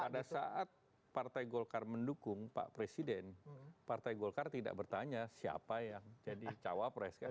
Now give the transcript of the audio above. pada saat partai golkar mendukung pak presiden partai golkar tidak bertanya siapa yang jadi cawapres kan